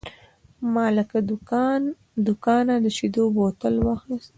ما له دوکانه د شیدو بوتل واخیست.